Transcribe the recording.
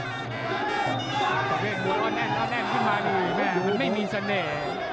กลุ่มมันก็แน่นขึ้นมาเลยไม่มีเสน่ห์